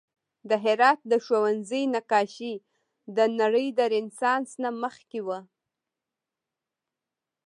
د هرات د ښوونځي نقاشي د نړۍ د رنسانس نه مخکې وه